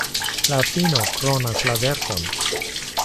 La fino kronas la verkon.